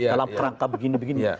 dalam kerangka begini begini